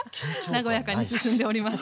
和やかに進んでおります。